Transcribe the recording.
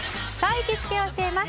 行きつけ教えます！